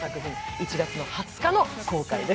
１月の２０日の公開です。